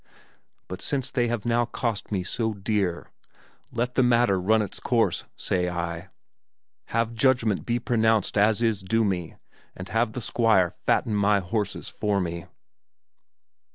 But since they have now cost me so dear, let the matter run its course, say I; have judgment be pronounced as is due me, and have the Squire fatten my horses for me."